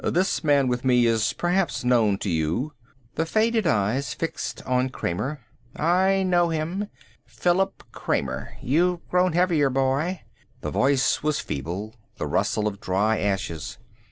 This man with me is perhaps known to you " The faded eyes fixed on Kramer. "I know him. Philip Kramer.... You've grown heavier, boy." The voice was feeble, the rustle of dry ashes.